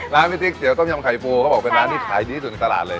ร้านพี่ติ๊กก๋วยเตี๋ยวต้มยำไข่ฟูเขาบอกเป็นร้านที่ขายดีจนตลาดเลย